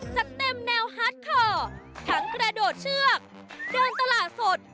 จัดเต็มแนวฮาร์ดคอร์ทั้งกระโดดเชือกเดินตลาดสด